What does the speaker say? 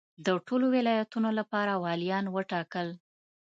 د ټولو ولایتونو لپاره والیان وټاکل.